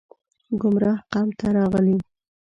ګمراه قوم ته راغلي